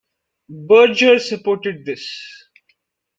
Berger supported this.